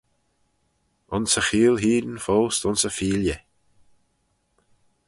Ayns e cheayll hene foast ayns y Pheeley.